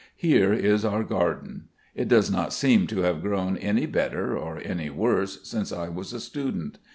Here is our garden. It does not seem to have grown any better or any worse since I was a student.